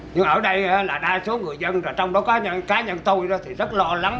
nhưng ở đây là đa số người dân trong đó có những cá nhân tôi thì rất lo lắng